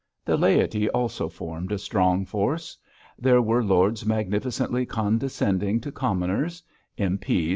The laity also formed a strong force. There were lords magnificently condescending to commoners; M.P.